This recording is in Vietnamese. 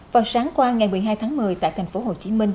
vào sáng qua ngày một mươi hai tháng một mươi tại tp hcm